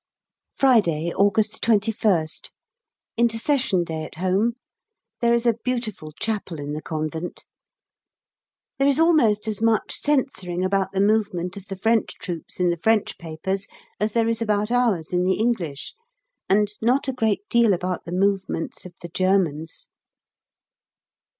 Friday, August 21st. Intercession Day at home. There is a beautiful chapel in the Convent. There is almost as much censoring about the movement of the French troops in the French papers as there is about ours in the English, and not a great deal about the movements of the Germans.